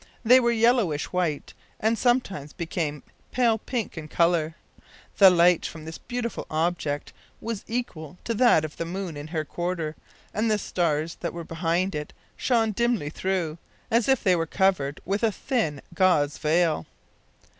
They were yellowish white, and sometimes became pale pink in colour. The light from this beautiful object was equal to that of the moon in her quarter, and the stars that were behind it shone dimly through, as if they were covered with a thin gauze veil.